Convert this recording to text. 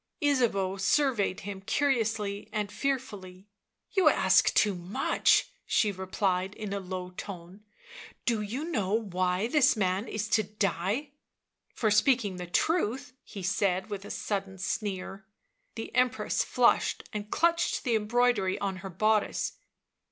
77 Ysabeau surveyed him curiously and fearfully. " You ask too much, 77 she replied in a low voice; " do you know why this man is to die 1" " For speaking the truth, 7 ' he said, with a sudden sneer. The Empress flushed, and clutched the embroidery on her bodice.